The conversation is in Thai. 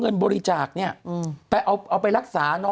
คุณหนุ่มกัญชัยได้เล่าใหญ่ใจความไปสักส่วนใหญ่แล้ว